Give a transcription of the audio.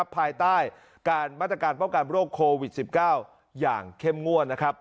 ภายใต้การมาตรการป้องกันโรคโควิด๑๙อย่างเข้มงวดนะครับ